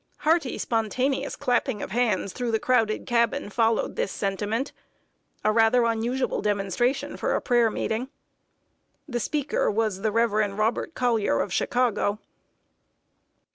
Hearty, spontaneous clapping of hands through the crowded cabin followed this sentiment a rather unusual demonstration for a prayer meeting. The speaker was the Rev. Robert Colyer, of Chicago.